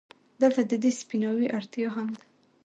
دلته د دې سپيناوي اړتيا هم ده،